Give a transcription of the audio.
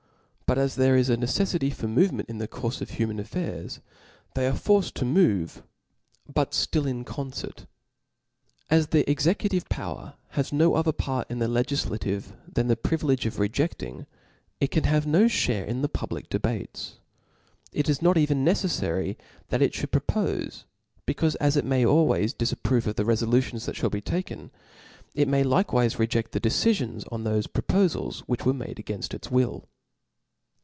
But as there is a ncccffity for movement in the courfe of human affairs, they are forced to move, but ftill in concert. As the executive power has no other part in the ^ r ~: legiflative, than the privilege of reJ€<aing, it can have (_^ no fliare in the public debates. It is not even nc ^\ J ceflary that it fliould propofc, becaufe as it may '^■"' aJways difapprove of the refolutions that fliall be taken, it may likewife reje6t the decifions on thofe propofals which were made againft its will.